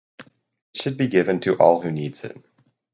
It should be given to all who needs it.